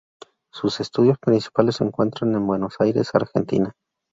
Sus estudios principales se encuentran en Buenos Aires, Argentina.